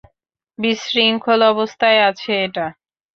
বিশৃঙ্খল অবস্থায় আছে এটা!